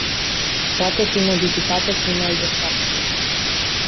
Poate fi modificată și în alte state.